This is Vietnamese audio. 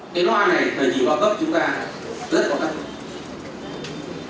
cái loa này thời kỳ bao cấp chúng ta rất bao cấp